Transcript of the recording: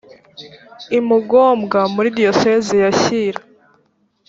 i mugombwa muri diyosezi ya shyira